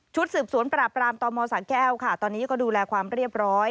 สืบสวนปราบรามตมสะแก้วค่ะตอนนี้ก็ดูแลความเรียบร้อย